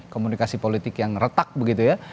komunikasi politik yang retak begitu ya